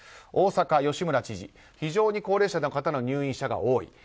大阪の吉村知事は非常に高齢者の方の入院が多い。